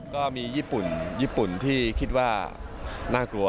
ก็มีญี่ปุ่นญี่ปุ่นที่คิดว่าน่ากลัว